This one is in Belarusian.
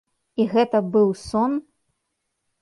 І гэта быў сон?